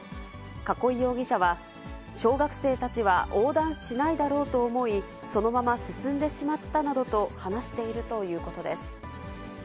栫容疑者は、小学生たちは横断しないだろうと思い、そのまま進んでしまったなどと話しているということです。